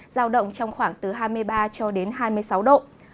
giao động trong khoảng từ hai mươi ba cho đến hai mươi sáu độ